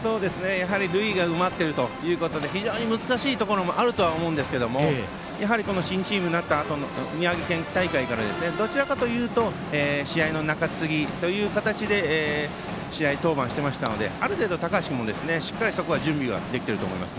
塁が埋まっているということで非常に難しいところもあると思いますがやはり新チームになったあとの宮城県大会からどちらかというと試合の中継ぎという形で試合登板していましたのである程度、高橋君も準備ができていると思います。